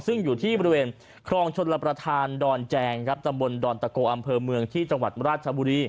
ซึ่งอยู่ที่บริเวณคลองชนรับประทานดอนแจงครับตำบลดอนตะโกอำเภอเมืองที่จังหวัดราชบุรี